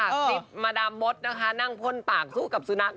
คลิปมาดามมดนะคะนั่งพ่นปากสู้กับสุนัข